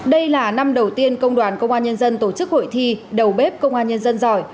đây là năm đầu tiên công đoàn công an nhân dân tổ chức hội thi đầu bếp công an nhân dân giỏi